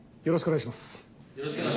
よろしくお願いします。